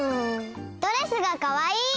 ドレスがかわいい！